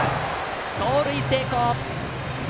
盗塁成功！